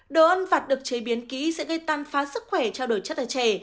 đồ ăn vặt được chế biến ký sẽ gây tăng phá sức khỏe trao đổi chất ở trẻ